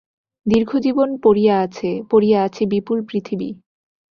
দীর্ঘ জীবন পড়িয়া আছে, পড়িয়া আছে বিপুল পৃথিবী।